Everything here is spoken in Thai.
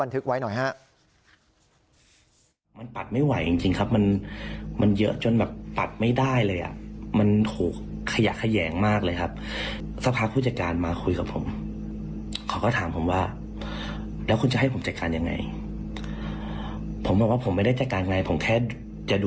ที่เขาบันทึกไว้หน่อยฮะ